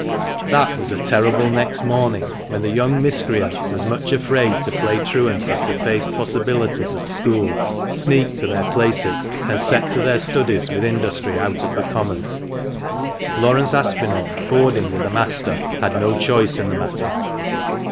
That was a terrible next morning, when the young miscreants, as much afraid to play truant as to face possibilities at school, n8 THE MANCHESTER MAN. sneaked to their places and set to their studies with industry out of the common. Laurence Aspinall, boarding with a master, had no choice in the matter.